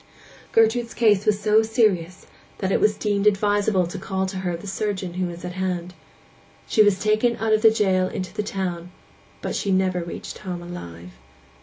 Gertrude's case was so serious that it was deemed advisable to call to her the surgeon who was at hand. She was taken out of the jail into the town; but she never reached home alive.